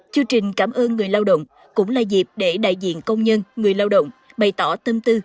chương trình cảm ơn người lao động cũng là dịp để đại diện công nhân người lao động bày tỏ tâm tư